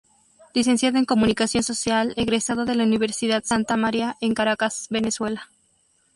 Licenciado en Comunicación Social egresado de la Universidad Santa María en Caracas, Venezuela.